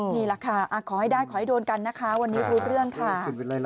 นี่แหละค่ะขอให้ได้ขอให้โดนกันนะคะวันนี้รู้เรื่องค่ะ